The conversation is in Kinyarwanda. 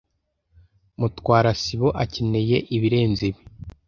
Mutwara sibo akeneye ibirenze ibi.